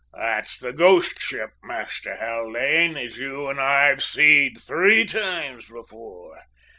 That's the `ghost ship,' Master Haldane, as you and I've seed three times afore.